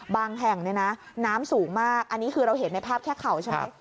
แห่งเนี่ยนะน้ำสูงมากอันนี้คือเราเห็นในภาพแค่เข่าใช่ไหม